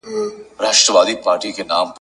چي له چا سره قدرت وي زور اوشته وي ,